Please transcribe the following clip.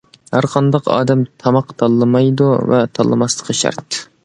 ھەر قانداق ئادەم تاماق تاللىمايدۇ ۋە تاللىماسلىقى شەرت.